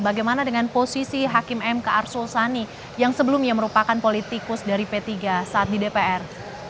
bagaimana dengan posisi hakim mk arsul sani yang sebelumnya merupakan politikus dari p tiga saat di dpr